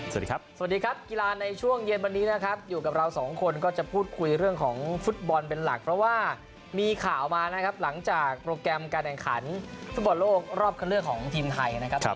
สวัสดีครับสวัสดีครับกีฬาในช่วงเย็นวันนี้นะครับอยู่กับเราสองคนก็จะพูดคุยเรื่องของฟุตบอลเป็นหลักเพราะว่ามีข่าวมานะครับหลังจากโปรแกรมการแข่งขันฟุตบอลโลกรอบคันเลือกของทีมไทยนะครับ